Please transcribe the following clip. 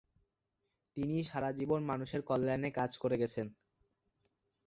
তিনি সারাজীবন মানুষের কল্যাণে কাজ করে গেছেন।